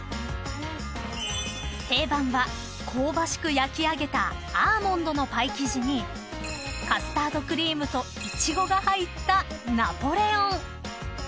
焼き上げたアーモンドのパイ生地にカスタードクリームとイチゴが入ったナポレオン］